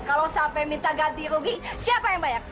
kalau sampai minta ganti rugi siapa yang banyak